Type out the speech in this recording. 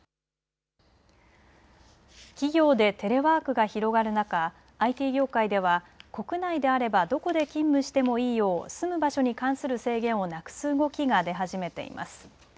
企業でテレワークが広がる中ＩＴ業界では国内であればどこで勤務してもいいよう、住む場所に関する制限をなくす動きが出始めています。